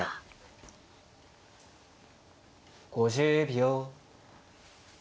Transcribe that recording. ５０秒。